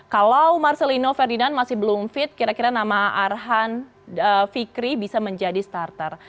kalau marcelino ferdinand masih belum fit kira kira nama arhan fikri bisa menjadi starter